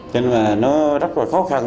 cho nên là nó rất là khó khăn